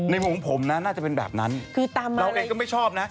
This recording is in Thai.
ในมุมผมนะน่าจะเป็นแบบนั้นเราเองก็ไม่ชอบนะ